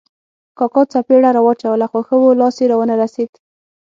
کاکا څپېړه را واچوله خو ښه وو، لاس یې را و نه رسېد.